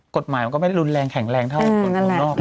กฎหมายมันก็ไม่รุนแรงแข็งแรงเท่ากับกฎหมายนอก